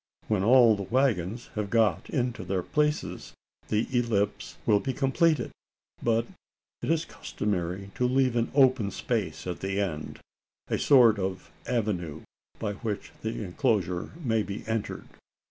When all the waggons have got into their places, the ellipse will be completed; but it is customary to leave an open space at the end a sort of avenue by which the enclosure may be entered.